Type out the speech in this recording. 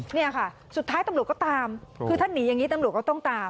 เนี่ยค่ะสุดท้ายตำรวจก็ตามคือถ้าหนีอย่างนี้ตำรวจก็ต้องตาม